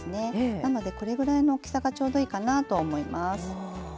なのでこれぐらいの大きさがちょうどいいかなと思います。